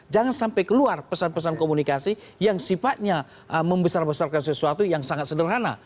jangan sampai keluar pesan pesan komunikasi yang sifatnya membesar besarkan sesuatu yang sangat sederhana